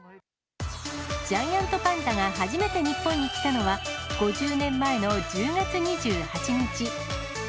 ジャイアントパンダが初めて日本に来たのは、５０年前の１０月２８日。